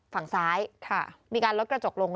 ฝั่งซ้ายมีการลดกระจกลง